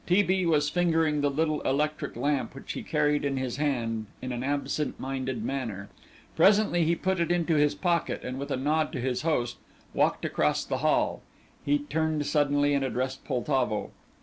T. B. was fingering the little electric lamp, which he carried in his hand, in an absent minded manner. Presently he put it into his pocket, and, with a nod to his host, walked across the hall. He turned suddenly and addressed Poltavo.